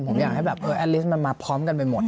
ผมอยากให้แบบแอลิสต์มันมาพร้อมกันไปหมด